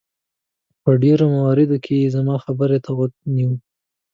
په ډېرو مواردو کې یې زما خبرې ته غوږ نیوه.